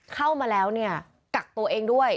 เข้ามาแล้วเนี่ยกักตัวเองด้วย